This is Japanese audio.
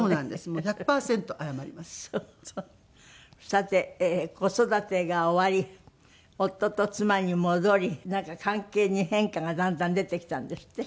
さて子育てが終わり夫と妻に戻りなんか関係に変化がだんだん出てきたんですって？